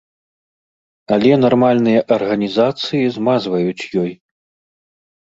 Але нармальныя арганізацыі змазваюць ёй.